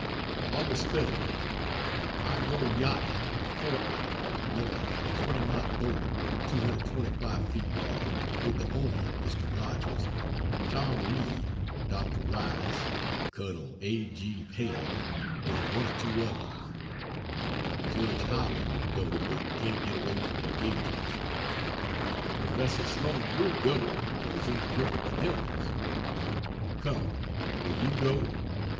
Aug. 3rd. I go yachting a fortnight up north in a 20 knot boat 225 feet long, with the owner, (Mr. Rogers), Tom Reid, Dr. Rice, Col. A. G. Paine and one or two others. Judge Howland would go, but can't get away from engagements; Professor Sloane would go, but is in the grip of an illness. Come will you go?